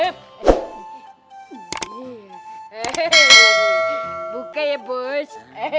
buka ya bos